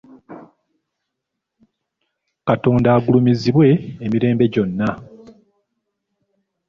Katonda agulumiziibwe emirembe gyonna.